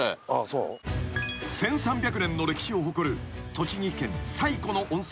［１３００年の歴史を誇る栃木県最古の温泉］